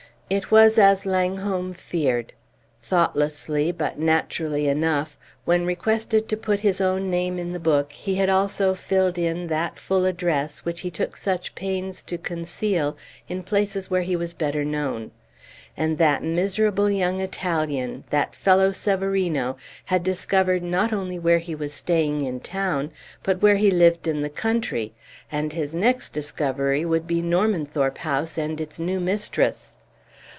It was as Langholm feared. Thoughtlessly, but naturally enough, when requested to put his own name in the book, he had also filled in that full address which he took such pains to conceal in places where he was better known. And that miserable young Italian, that fellow Severino, had discovered not only where he was staying in town, but where he lived in the country, and his next discovery would be Normanthorpe House and its new mistress!